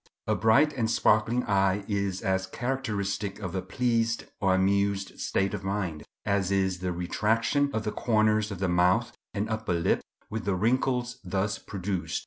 A bright and sparkling eye is as characteristic of a pleased or amused state of mind, as is the retraction of the corners of the mouth and upper lip with the wrinkles thus produced.